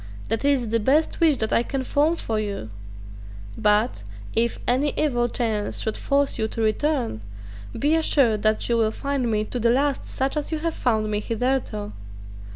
That is the best wish that I can form for you. But, if any evil chance should force you to return, be assured that you will find me to the last such as you have found me hitherto."